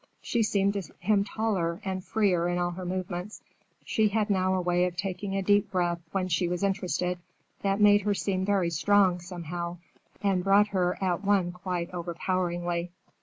She seemed to him taller, and freer in all her movements. She had now a way of taking a deep breath when she was interested, that made her seem very strong, somehow, and brought her at one quite overpoweringly.